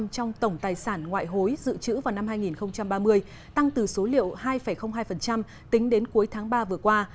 trong tổng tài sản ngoại hối dự trữ vào năm hai nghìn ba mươi tăng từ số liệu hai hai tính đến cuối tháng ba vừa qua